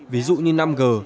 ví dụ như năm g